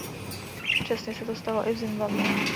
Přesně to se stalo i v Zimbabwe.